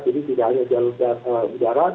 jadi tidak hanya jalur darat tapi juga jalur darat